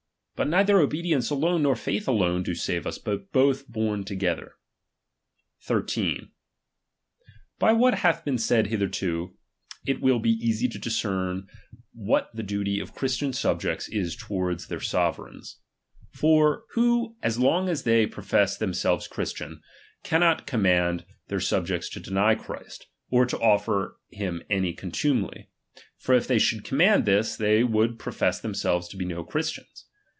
But neither obedience alone, nor faith alonCj do save us ; but both together. 1 3. By what hath been said hitherto, it will be easy to discern what the duty of Christian subjects RELIGION. is towards their sovereigns ; wbo, as long as they chap xvA profess themselves Christians, cannot command ^^^^Ijl^ their subjects to deny Christ, or to offer him any'n™a,.rG contumely : for if they should comnaand this, they would profess themselves to be no Christians.